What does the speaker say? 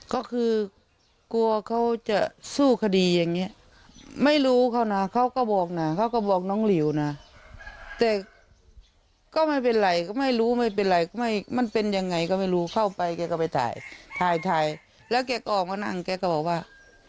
ก็คือกลัวเขาจะสู้คดีอย่างนี้ไม่รู้เขานะเขาก็บอกนะเขาก็บอกน้องหลิวนะแต่ก็ไม่เป็นไรก็ไม่รู้ไม่เป็นไรมันเป็นยังไงก็ไม่รู้เข้าไปแกก็ไปถ่ายถ่ายแล้วแกก็ออกมานั่งแกก็บอกว่า